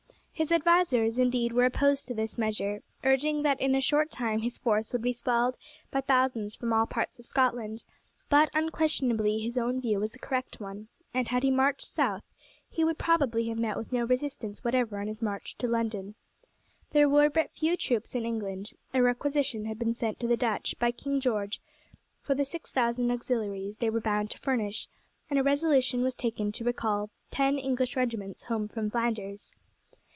His advisers, indeed, were opposed to this measure, urging that in a short time his force would be swelled by thousands from all parts of Scotland; but unquestionably his own view was the correct one, and had he marched south he would probably have met with no resistance whatever on his march to London. There were but few troops in England. A requisition had been sent to the Dutch by King George for the six thousand auxiliaries they were bound to furnish, and a resolution was taken to recall ten English regiments home from Flanders.